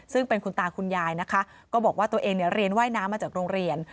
ซึ่งเป็นคุณตาคุณยายนะคะก็บอกว่าตัวเองเนี่ยเรียนว่ายน้ำมาจากโรงเรียน